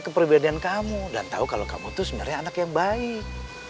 kepribadian kamu dan tahu kalau kamu itu sebenarnya anak yang baik